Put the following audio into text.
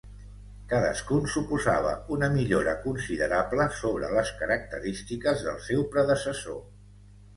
Cadascun suposava una millora considerable sobre les característiques del seu predecessor.